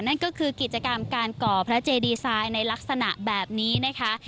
นั่นก็คือกิจกรรมการก่อพระเจดีไซน์ในลักษณะแบบนี้นะคะ